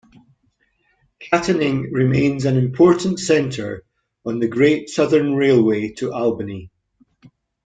Katanning remains an important centre on the Great Southern Railway to Albany.